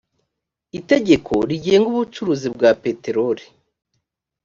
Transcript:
itegeko rigenga ubucuruzi bwa peteroli